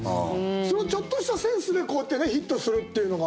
そのちょっとしたセンスでこうやってヒットするっていうのが。